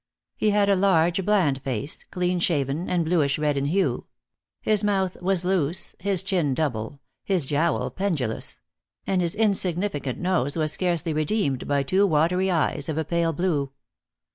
He had a large bland face, clean shaven, and bluish red in hue; his mouth was loose, his chin double, his jowl pendulous; and his insignificant nose was scarcely redeemed by two watery eyes of a pale blue.